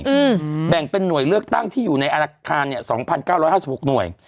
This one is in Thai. อืมแบ่งเป็นหน่วยเลือกตั้งที่อยู่ในอาคารเนี้ยสองพันเก้าร้อยห้าสิบหกหน่วย